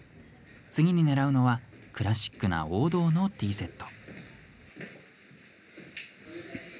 次にねらうのはクラシックな王道のティーセット。